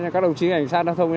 các đồng chí ngành xa đa thông